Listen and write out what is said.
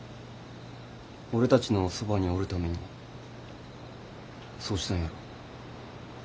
俺たちのそばにおるためにそうしたんやろ？